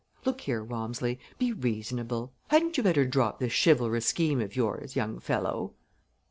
Look here, Walmsley, be reasonable! Hadn't you better drop this chivalrous scheme of yours, young fellow?"